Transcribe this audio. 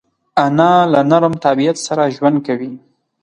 انا له نرم طبیعت سره ژوند کوي